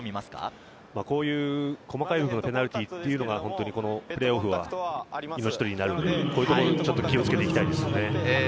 細かい部分のペナルティーがプレーオフは命取りになるので、こういうところは気を付けていきたいですね。